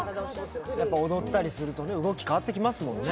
踊ったりすると、動き変わってきますからね。